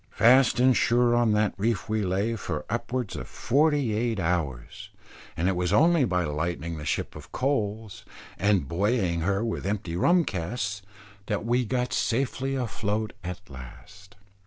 Fast and sure on that reef we lay for upwards of forty eight hours, and it was only by lightening the ship of coals, and buoying her with empty rum casks that we got safely afloat at last.